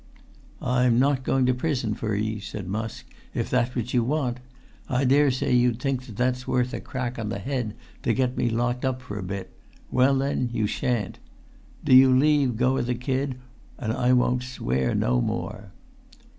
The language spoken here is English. "I'm not going to prison for ye," said Musk, "if that's what you want. I daresay you'd think that worth a crack on the head to get me locked up for a bit; well, then, you shan't. Do you leave go o' the kid, and I won't swear no more."